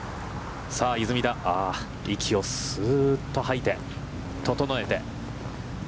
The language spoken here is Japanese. さあ、出水田、息をすうっと吐いて整えて。